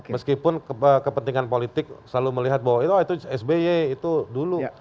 meskipun kepentingan politik selalu melihat bahwa itu sby itu dulu